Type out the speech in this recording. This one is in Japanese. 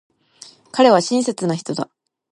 彼は親切な人だ。